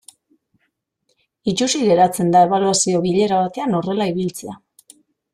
Itsusi geratzen da ebaluazio bilera batean horrela ibiltzea.